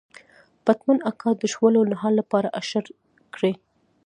پتمن اکا د شولو نهال لپاره اشر کړی.